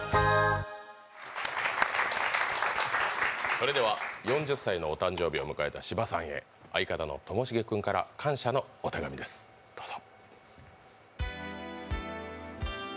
それでは４０歳のお誕生日を迎えた芝さんへ、相方のともしげ君から感謝のお手紙です、どうぞ。